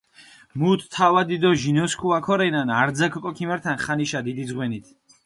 მუთ თავადი დო ჟინოსქუა ქორენან, არძაქ ოკო ქიმერთან ხანიშა დიდი ძღვენით.